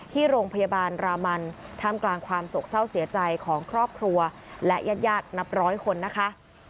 ที่โรงพยาบาลรามันท่ามกลางความโศกเศร้าเสียใจของครอบครัวและญาติญาตินับร้อยคนนะคะ